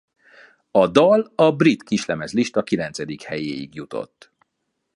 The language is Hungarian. A dal a brit kislemezlista kilencedik helyéig jutott.